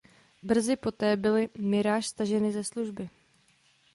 Brzy poté byly Mirage staženy ze služby.